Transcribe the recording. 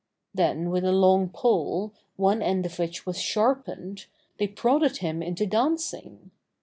Then with a long pole, one end of which was sharpened, they prodded him into dancing.